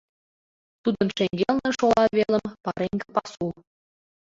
Тудын шеҥгелне, шола велым, пареҥге пасу.